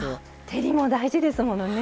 照りも大事ですものね。